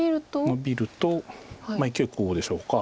ノビるといきおいこうでしょうか。